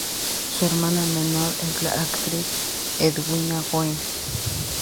Su hermana menor es la actriz Edwina Wren.